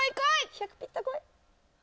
１００ピッタこい！